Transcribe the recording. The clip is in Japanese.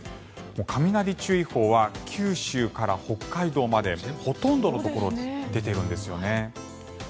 雷注意報は九州から北海道までほとんどのところで出ているんですよね。